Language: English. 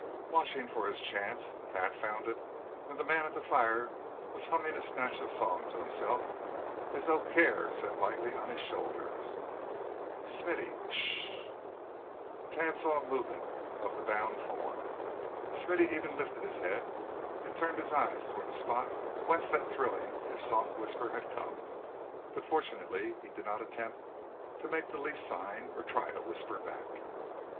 Watching for his chance, Thad found it when the man at the fire was humming a snatch of a song to himself, as though care set lightly on his shoulders. "Smithy 'sh!" Thad saw a movement of the bound form. Smithy even lifted his head, and turned his eyes toward the spot from whence that thrilling, if soft, whisper had come. But fortunately he did not attempt to make the least sign, or try to whisper back.